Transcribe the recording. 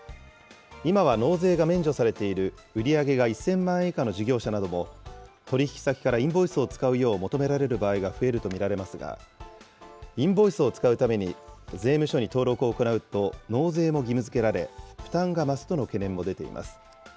今は納税が免除されている、売り上げが１０００万円以下の事業者なども、取り引き先からインボイスを使うよう求められる場合が増えると見られますが、インボイスを使うために、税務署に登録を行うと、納税も義務づけられ、負担が増すとの懸念も出ています。